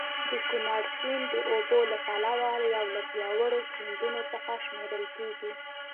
د کونړ سیند د اوبو له پلوه یو له پیاوړو سیندونو څخه شمېرل کېږي.